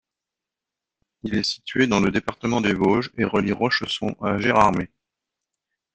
Il est situé dans le département des Vosges et relie Rochesson à Gérardmer.